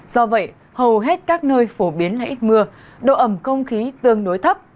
do vậy hầu hết các nơi phổ biến là ít mưa độ ẩm không khí tương đối thấp